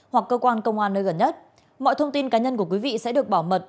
hoặc cơ quan công an nơi gần nhất mọi thông tin cá nhân của quý vị sẽ được bảo mật